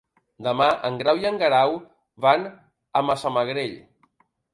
Demà en Grau i en Guerau van a Massamagrell.